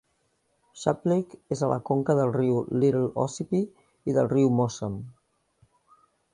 Shapleigh és a la conca del riu Little Ossipee i del riu Mousam.